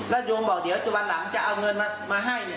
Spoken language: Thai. และยวมบอกเดี๋ยวจนวันหลังจะเอาเงินมาให้